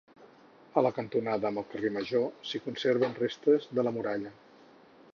A la cantonada amb el carrer Major s'hi conserven restes de la muralla.